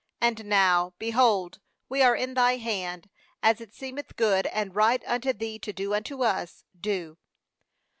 25And now, behold, we are in thy hand as it seemeth good and right unto thee to do unto us, do.'